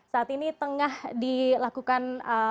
saat ini tengah dilakukan